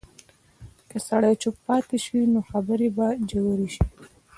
که سړی چوپ پاتې شي، نو خبرې به ژورې شي.